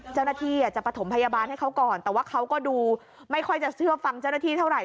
เจ้าหน้าที่อาจจะประถมพยาบาลให้เขาก่อนแต่ว่าเขาก็ดูไม่ค่อยจะเชื่อฟังเจ้าหน้าที่เท่าไหร